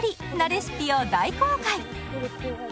レシピを大公開！